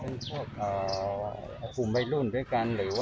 เป็นพวกกลุ่มวัยรุ่นด้วยกันหรือว่า